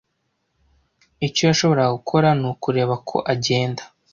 Icyo yashoboraga gukora ni ukureba ko agenda.